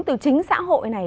từ chính xã hội này